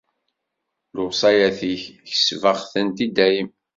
Lewṣayat-ik, kesbeɣ-tent i dayem.